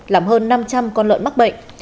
làm hơn năm trăm linh con lợn mắc bệnh